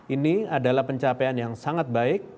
ini adalah pencapaian yang sangat baik